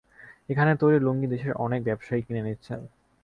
এখানে তৈরি লুঙ্গি দেশের অনেক ব্যবসায়ী কিনে নিচ্ছেন।